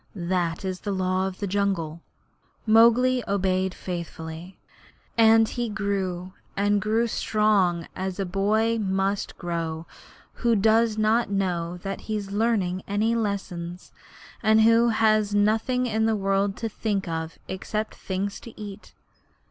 That is the Law of the Jungle.' Mowgli obeyed faithfully. And he grew and grew strong as a boy must grow who does not know that he is learning any lessons, and who has nothing in the world to think of except things to eat.